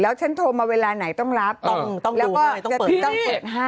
แล้วฉันโทรมาเวลาไหนต้องรับต้องดูต้องเปิดให้